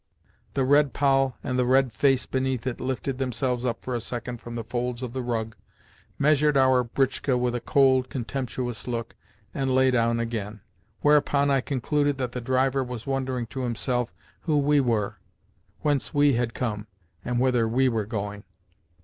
The red poll and red face beneath it lifted themselves up for a second from the folds of the rug, measured our britchka with a cold, contemptuous look, and lay down again; whereupon I concluded that the driver was wondering to himself who we were, whence we had come, and whither we were going.